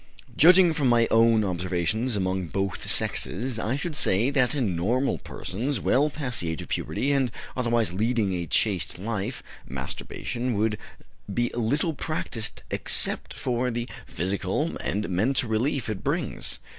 Judging from my own observations among both sexes, I should say that in normal persons, well past the age of puberty, and otherwise leading a chaste life, masturbation would be little practiced except for the physical and mental relief it brings.